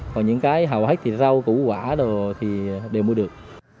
còn những cái hầu hết thì rau củ quả đồ thì đều mua được